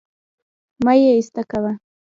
مه يې ايسته کوه